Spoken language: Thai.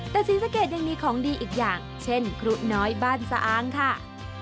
แต่ศรีสะเกดยังมีของดีอีกอย่างเช่นครูน้อยบ้านสะอางค่ะ